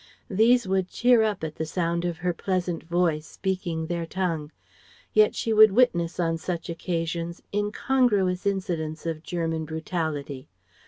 These would cheer up at the sound of her pleasant voice speaking their tongue. Yet she would witness on such occasions incongruous incidents of German brutality.